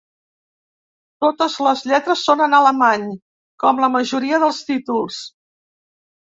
Totes les lletres són en alemany, com la majoria dels títols.